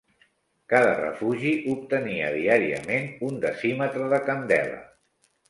Cada refugi obtenia diàriament un decímetre de candela